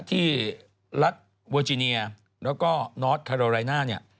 ที่รัฐเวอร์จิเนียแล้วก็นอสคาโรไรน่าเนี่ย